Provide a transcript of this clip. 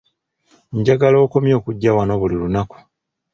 Njagala okomye okujja wano buli lunaku.